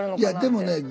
いやでもね